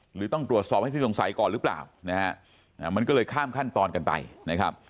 หรือต้องตรวจสอบให้สิ้นสงสัยก่อนหรือเปล่านะฮะมันก็เลยข้ามขั้นตอนกันไปนะครับ